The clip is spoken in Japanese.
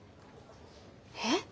えっ？